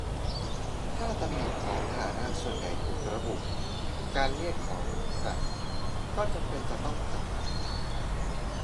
ถ้าตำหนิของพาหนะส่วนใหญ่ถูกระบุ การเรียกของกลับก็จำเป็นจะต้องทำ